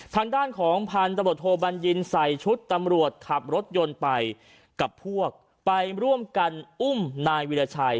ทางด้านของพันธุ์ตำรวจโทบัญญินใส่ชุดตำรวจขับรถยนต์ไปกับพวกไปร่วมกันอุ้มนายวิราชัย